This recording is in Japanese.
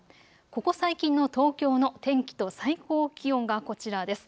ここ最近の東京の天気と最高気温がこちらです。